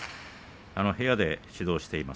部屋で指導しています